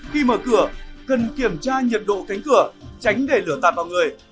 khi mở cửa cần kiểm tra nhiệt độ cánh cửa tránh để lửa tạt vào người